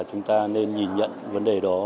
chúng ta nên nhìn nhận vấn đề đó